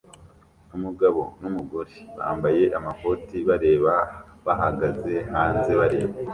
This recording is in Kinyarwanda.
Umugabo numugore bambaye amakoti bareba bahagaze hanze bareba